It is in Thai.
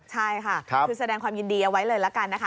ใช่ค่ะคือแสดงความยินดีเอาไว้เลยละกันนะคะ